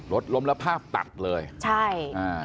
ลดลมแล้วภาพตัดเลย